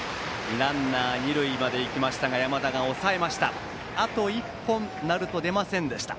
ランナー二塁まで行きましたが山田が抑えました。